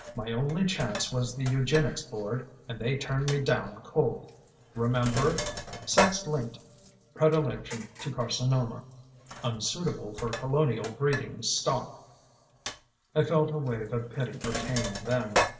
My only chance was the Eugenics Board and they turned me down cold. Remember? Sex linked predilection to carcinoma. Unsuitable for colonial breeding stock " I felt a wave of pity for Kane then.